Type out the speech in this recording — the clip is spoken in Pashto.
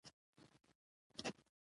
حقيقت لټول د هر انسان حق دی.